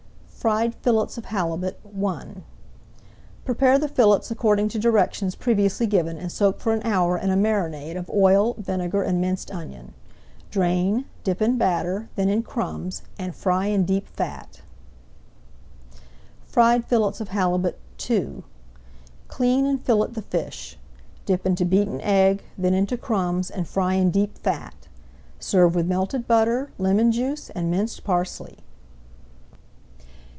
FRIED FILLETS OF HALIBUT I Prepare the fillets according to directions previously given and soak for an hour in a marinade of oil, vinegar, and minced onion. Drain, dip in batter, then in crumbs, and fry in deep fat. [Page 189] FRIED FILLETS OF HALIBUT II Clean and fillet the fish. Dip into beaten egg, then into crumbs, and fry in deep fat. Serve with melted butter, lemon juice, and minced parsley.